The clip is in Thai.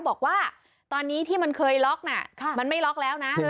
บอกว่าตอนนี้ที่มันเคยล็อกน่ะมันไม่ล็อกแล้วนะ